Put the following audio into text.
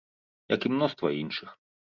Як і мноства іншых.